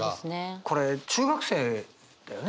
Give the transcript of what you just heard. これ中学生だよね？